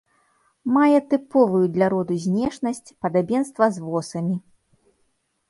Мае тыповую для роду знешнасць, падабенства з восамі.